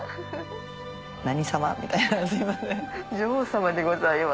何様？みたいなすいません。